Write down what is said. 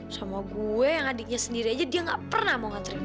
sama gue yang adiknya sendiri aja dia nggak pernah mau nganterin gue